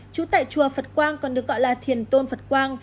trú tại chùa phật quang còn được gọi là thiền tôn phật quang